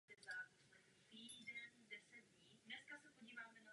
Bočních vrcholů není mnoho.